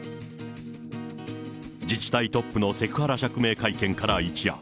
自治体トップのセクハラ釈明会見から一夜。